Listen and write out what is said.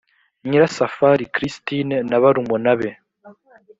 nyirasafari christine na barumuna be